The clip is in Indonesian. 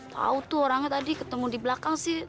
tahu tuh orangnya tadi ketemu di belakang sih